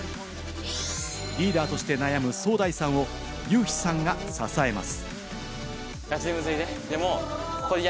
リーダーとして悩むソウダイさんをユウヒさんが支えます。